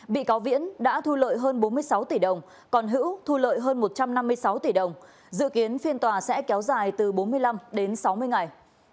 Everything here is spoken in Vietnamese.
bị cáo viễn đã thu lợi hơn bốn mươi sáu tỷ đồng còn hữu thu lợi hơn một trăm năm mươi sáu tỷ đồng dự kiến phiên tòa sẽ kéo dài từ bốn mươi năm đến sáu mươi ngày